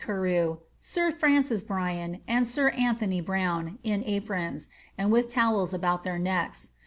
Carew, sir Francis Brian, and sir Anthony Brown, in aprons, and with towels about their necks.